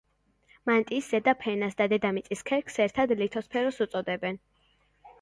მანტიის ზედა ფენას და დედამიწის ქერქს ერთად ლითოსფეროს უწოდებენ.